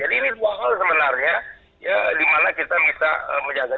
jadi ini dua hal sebenarnya ya dimana kita bisa menjaga